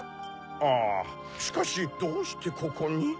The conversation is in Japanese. ああしかしどうしてここに？